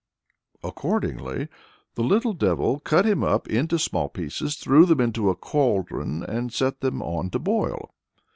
Accordingly "the little devil cut him up into small pieces, threw them into a cauldron and set them on to boil.